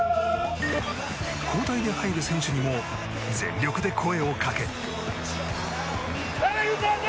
交代で入る選手にも全力で声をかけ。